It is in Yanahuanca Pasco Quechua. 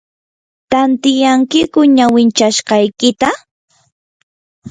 ¿tantyankiyku ñawinchashqaykita?